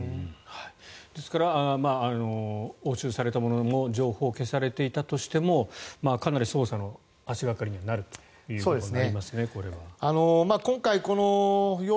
ですから押収されたものも情報が消されていたとしてもかなり捜査の足掛かりにはなるということになりますね。